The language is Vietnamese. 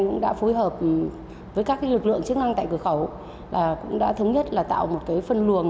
cũng đã phối hợp với các lực lượng chức năng tại cửa khẩu là cũng đã thống nhất là tạo một cái phân luồng